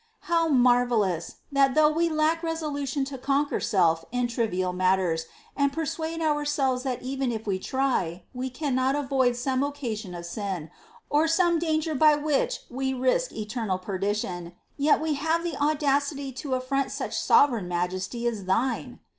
4. How marvellous, that though we lack resolution to conquer self in trivial matters, and persuade ourselves that even if we try, we cannot avoid some occasion of sin, or some danger by which we risk eternal perdition, yet we have the audacity to afíront such sovereign majesty as Thine